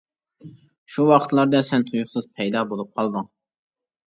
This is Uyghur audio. شۇ ۋاقىتلاردا سەن تۇيۇقسىز پەيدا بولۇپ قالدىڭ.